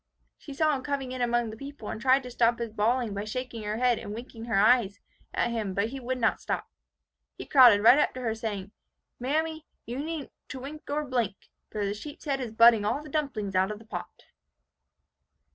She saw him coming in among the people, and tried to stop his bawling by shaking her head and winking her eyes at him; but he would not stop. He crowded right up to her, saying, 'Mammy, you needn't to wink nor to blink, for the sheep's head is butting all the dumplings out of the pot!